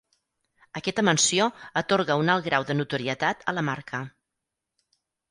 Aquesta menció atorga un alt grau de notorietat a la marca.